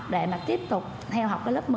để mà tiếp tục theo học lớp một mươi